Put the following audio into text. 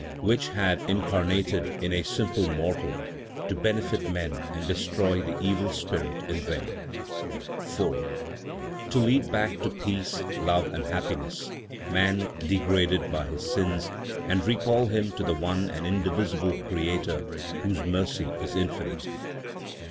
Which had incarnated in a simple mortal, to benefit men and destroy the evil spirit in them; 4. To lead back to peace, love and happiness, man, degraded by his sins, and recall him to the one and indivisible Creator whose mercy is infinite.